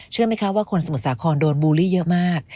เชื่อไหมคะว่าคนสมุทรสาครโดนบูลลี่เยอะมาก